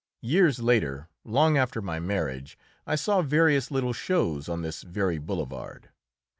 Years later, long after my marriage, I saw various little shows on this very boulevard.